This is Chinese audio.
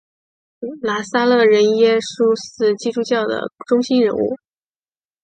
拿撒勒人耶稣是基督教的中心人物。